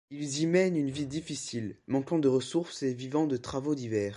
Ils y mènent une vie difficile, manquant de ressources et vivant de travaux divers.